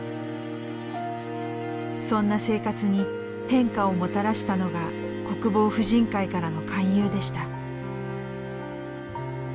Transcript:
そんな生活に変化をもたらしたのが国防婦人会からの勧誘でした。